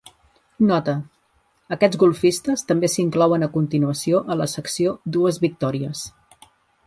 Nota: Aquests golfistes també s'inclouen a continuació a la secció "Dues victòries".